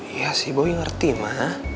iya sih boy ngerti ma